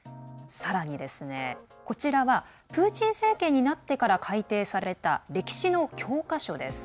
さらに、こちらはプーチン政権になってから改訂された歴史の教科書です。